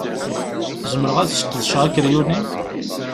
Zemreɣ ad ssqedceɣ akeryun-im?